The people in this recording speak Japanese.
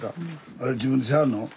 あれ自分でしはるの？